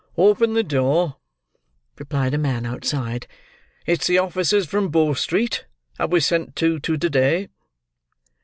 "Open the door," replied a man outside; "it's the officers from Bow Street, as was sent to to day."